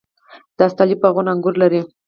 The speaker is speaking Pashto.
د استالف باغونه انګور لري.